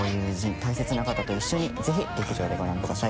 大切な方と一緒に爾劇場でご覧ください。